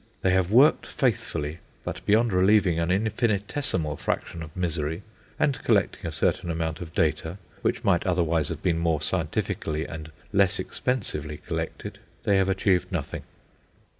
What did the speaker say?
They have worked faithfully, but beyond relieving an infinitesimal fraction of misery and collecting a certain amount of data which might otherwise have been more scientifically and less expensively collected, they have achieved nothing.